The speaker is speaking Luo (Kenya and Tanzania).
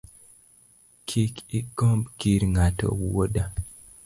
Kik igomb gir ng’ato wuoda